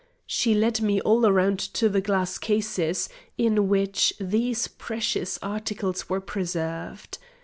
She led me all round to the glass cases, in which these precious articles were preserved.